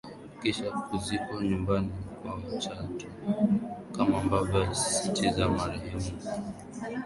Kisha kuzikwa nyumbani kwao Chato kama ambavyo alisisitiza marehemu